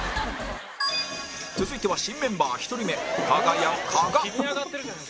続いては新メンバー１人目かが屋加賀